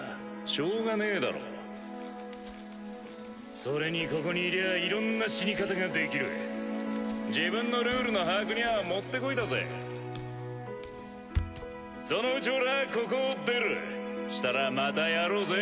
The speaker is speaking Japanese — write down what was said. しょうがねぇだろそれにここにいりゃいろんな死に方が自分のルールの把握には持って来いだぜそのうち俺はここを出るしたらまたやろうぜ。